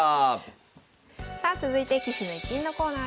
さあ続いて「棋士の逸品」のコーナーです。